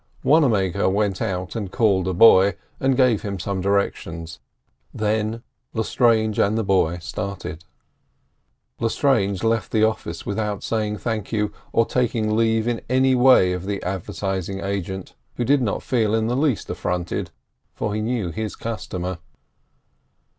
Wannamaker went out and called a boy and gave him some directions; then Lestrange and the boy started. Lestrange left the office without saying "Thank you," or taking leave in any way of the advertising agent—who did not feel in the least affronted, for he knew his customer.